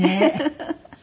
フフフフ。